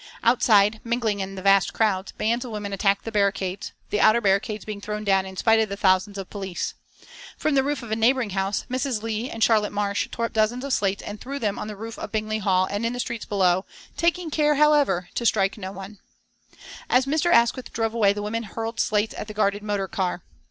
Outside, mingling in the vast crowds, bands of women attacked the barricades, the outer barricades being thrown down in spite of the thousands of police. From the roof of a neighbouring house Mrs. Leigh and Charlotte Marsh tore up dozens of slates and threw them on the roof of Bingley Hall and in the streets below, taking care, however, to strike no one. As Mr. Asquith drove away the women hurled slates at the guarded motor car.